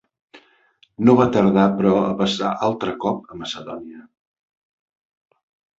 No va tardar però a passar altre cop a Macedònia.